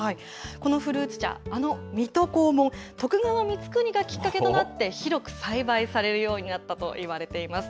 この古内茶、あの水戸黄門、徳川光圀がきっかけとなって、広く栽培されるようになったといわれています。